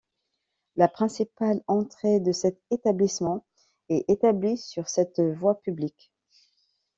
La principale entrée de cet établissement est établie sur cette voie publique.